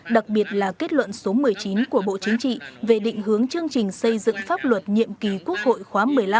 đặc biệt là kết luận số một mươi chín của bộ chính trị về định hướng chương trình xây dựng pháp luật nhiệm kỳ quốc hội khóa một mươi năm